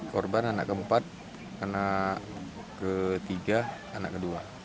korban anak keempat anak ketiga anak kedua